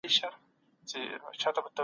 د بحرانونو مخنیوی مهم کار دی.